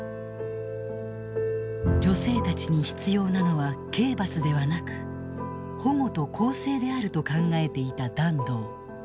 女性たちに必要なのは刑罰ではなく保護と更生であると考えていた團藤。